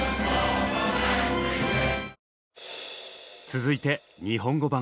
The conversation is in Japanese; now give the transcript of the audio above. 続いて日本語版。